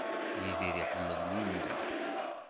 Yidir iḥemmel Linda.